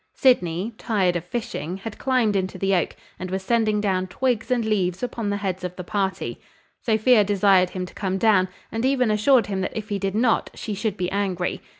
Sydney, tired of fishing, had climbed into the oak, and was sending down twigs and leaves upon the heads of the party. Sophia desired him to come down, and even assured him that if he did not, she should be angry.